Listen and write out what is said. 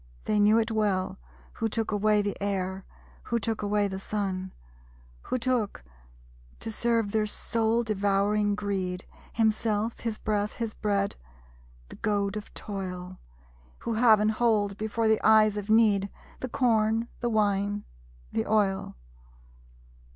They knew it well, who took away the air, Who took away the sun; Who took, to serve their soul devouring greed, Himself, his breath, his bread the goad of toil; Who have and hold, before the eyes of Need, The corn, the wine, the oil!